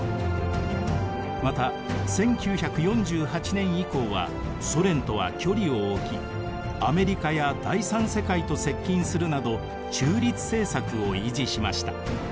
また１９４８年以降はソ連とは距離を置きアメリカや第三世界と接近するなど中立政策を維持しました。